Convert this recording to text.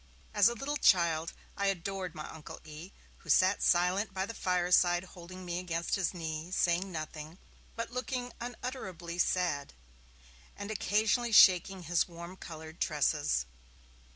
As a little child, I adored my Uncle E., who sat silent by the fireside holding me against his knee, saying nothing, but looking unutterably sad, and occasionally shaking his warm coloured tresses.